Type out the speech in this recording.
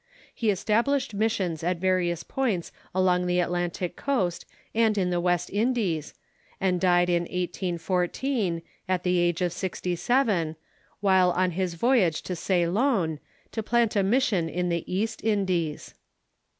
He established missions at various points along the Atlantic coast and in the West Indies, and died in 1814, at the age of sixt3' seven, while on his voyage to Ceylon, to plant a mission in the East Indies.